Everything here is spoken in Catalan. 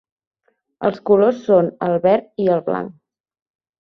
Els colors són el verd i el blanc.